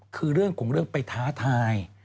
คือเรื่องของเรื่องไปท้าทาย